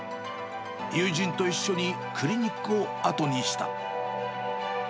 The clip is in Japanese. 友人と一緒にクリニックを後にした。